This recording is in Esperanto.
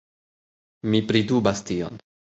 Mi pridubas tion.